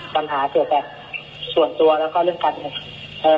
คำถามเกี่ยวกับส่วนตัวและก็เรื่องความรู้สึก